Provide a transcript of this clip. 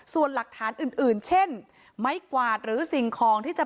ต้องรอผลพิสูจน์จากแพทย์ก่อนนะคะ